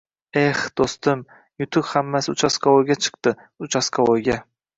- Exx do‘stim, yutuq hammasi uchastkavoyga chiqdi, uchastkavoyga